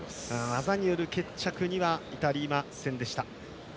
技による決着には至りませんでした。